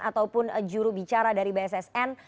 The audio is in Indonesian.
ataupun juru bicara dari bssn